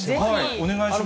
お願いします。